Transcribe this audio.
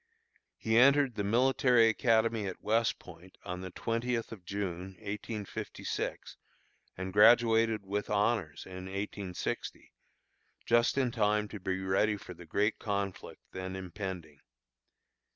He entered the Military Academy at West Point on the twentieth of June, 1856, and graduated with honors in 1860, just in time to be ready for the great conflict then impending.